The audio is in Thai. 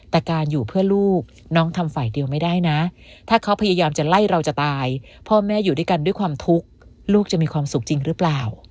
แต่การอยู่เพื่อลูกน้องทำฝ่ายเดียวไม่ได้นะถ้าเขาพยายามจะไล่เราจะตายพ่อแม่อยู่ด้วยกันด้วยความทุกข์ลูกจะมีความสุขจริงหรือเปล่า